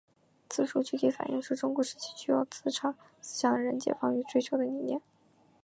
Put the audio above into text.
此书具体反映出中古时期具有资产思想的人解放与追求的理念。